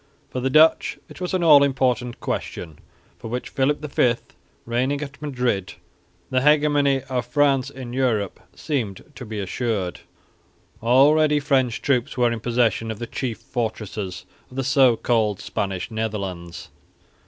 For the Dutch it was an all important question, for with Philip V reigning at Madrid the hegemony of France in Europe seemed to be assured. Already French troops were in possession of the chief fortresses of the so called Spanish Netherlands.